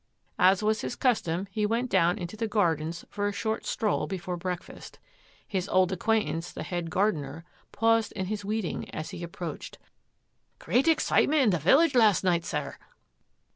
As was his custom, he went down into the gar dens for a short stroll before breakfast. His old acquaintance, the head gardener, paused in his weeding as he approached. " Great excitement in the village last night, sir."